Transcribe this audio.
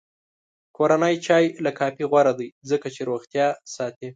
کورنی چای له کافي غوره دی، ځکه چې روغتیا ساتي.